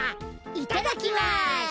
いただきます。